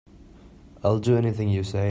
I'll do anything you say.